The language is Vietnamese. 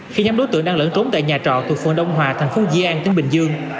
khi nhóm đối tượng đang lẫn trốn tại nhà trọ thuộc phường đông hòa thành phố di an tỉnh bình dương